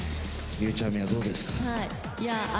ゆうちゃみはどうですか？